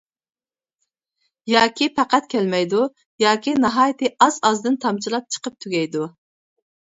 ياكى پەقەت كەلمەيدۇ ياكى ناھايىتى ئاز-ئازدىن تامچىلاپ چىقىپ تۈگەيدۇ.